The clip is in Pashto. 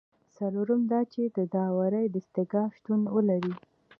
څلورم دا چې د داورۍ دستگاه شتون ولري.